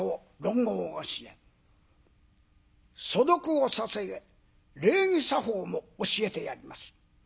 素読をさせ礼儀作法も教えてやります。